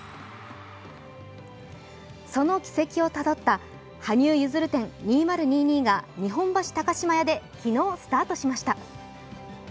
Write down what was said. その軌跡をたどった羽生結弦展２０２２が日本橋高島屋で昨日スタートしました。